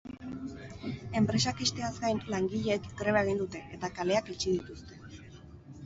Enpresak ixteaz gain, langileek greba egin dute, eta kaleak itxi dituzte.